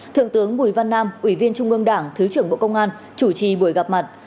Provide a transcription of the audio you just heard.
thượng tướng bùi văn nam ủy viên trung ương đảng thứ trưởng bộ công an chủ trì buổi gặp mặt